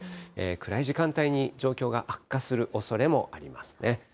暗い時間帯に状況が悪化するおそれもありますね。